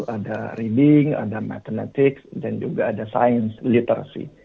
ada reading ada matematics dan juga ada science literacy